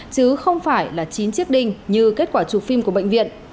chứ không phải là chín chiếc đinh như kết quả chụp phim của bệnh viện